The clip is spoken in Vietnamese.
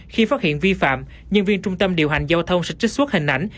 khi phát hiện vi phạm nhân viên trung tâm điều hành giao thông sẽ trích xuất hình ảnh